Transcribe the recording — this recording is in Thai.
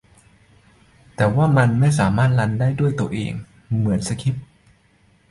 แต่ว่ามันไม่สามารถรันได้ด้วยตัวเองเหมือนสคริปต์